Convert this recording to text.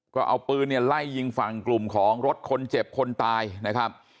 ก็เอาปืนเนี่ยไล่ยิงฝั่งกลุ่มของรถคนเจ็บคนตายนะครับ